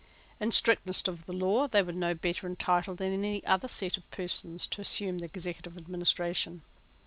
In strictness of law they were no better entitled than any other set of persons to assume the executive administration.